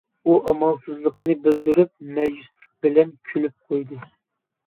ئۇ ئامالسىزلىقىنى بىلدۈرۈپ مەيۈسلۈك بىلەن كۈلۈپ قويدى.